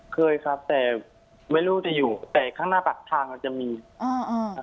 เคยครับแต่ไม่รู้จะอยู่แต่ข้างหน้าปากทางมันจะมีอ่าอ่า